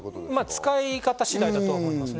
使い方次第だと思います。